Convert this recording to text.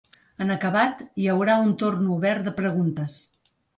En acabat, hi haurà un torn obert de preguntes.